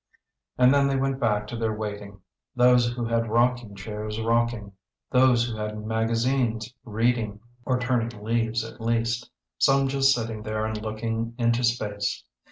And then they went back to their waiting; those who had rocking chairs rocking, those who had magazines reading, or turning leaves at least, some just sitting there and looking into space.